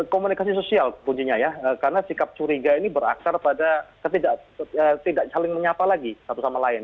komunikasi sosial bunyinya ya karena sikap curiga ini beraksar pada ketidak saling menyapa lagi satu sama lain